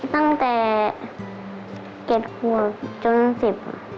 ตั้งแต่เกรดครัวจนสิบ